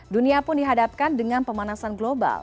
dunia pun dihadapkan dengan pemanasan global